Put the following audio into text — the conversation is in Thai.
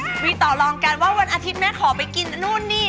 คุยต่อลองกันว่าวันอาทิตย์แม่ขอไปกินนู่นนี่